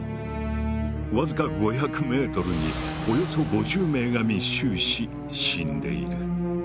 わずか５００ｍにおよそ５０名が密集し死んでいる。